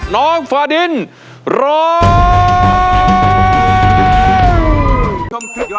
น้องฟาดินร้อย